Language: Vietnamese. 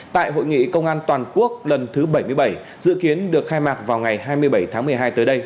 tại hội nghị công an toàn quốc lần thứ bảy mươi bảy dự kiến được khai mạc vào ngày hai mươi bảy tháng một mươi hai tới đây